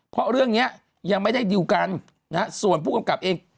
เพราะเรื่องเนี้ยยังไม่ได้ดิวกันนะฮะส่วนผู้กำกับเอง